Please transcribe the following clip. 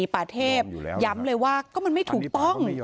ป่าเทพย้ำเลยว่าก็มันไม่ถูกต้อง